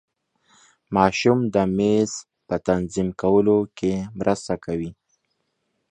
ماشوم د میز په تنظیم کولو کې مرسته کوي.